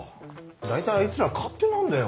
大体あいつら勝手なんだよ。